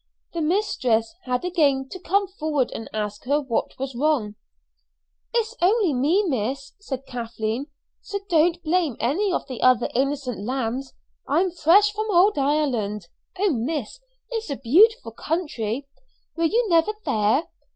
The mistress had again to come forward and ask what was wrong. "It's only me, miss," said Kathleen, "so don't blame any of the other innocent lambs. I'm fresh from old Ireland. Oh, miss, it's a beautiful country! Were you never there?